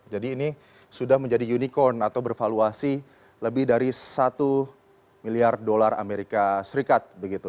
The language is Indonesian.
jadi ini sudah menjadi unicorn atau bervaluasi lebih dari satu miliar dolar amerika serikat